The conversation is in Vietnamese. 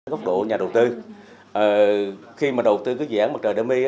góc độ nhà đầu tư khi mà đầu tư cái dự án mặt trời đa my